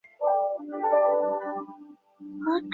港南区是中国广西壮族自治区贵港市所辖的一个市辖区。